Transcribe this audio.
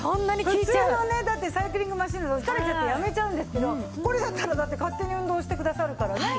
これ普通のねサイクリングマシンだと疲れちゃってやめちゃうんですけどこれだったらだって勝手に運動してくださるからね。